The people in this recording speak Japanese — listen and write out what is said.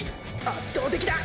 圧倒的だ！！